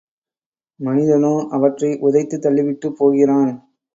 மனிதனோ அவற்றை உதைத்துத் தள்ளிவிட்டுப் போகிறான்.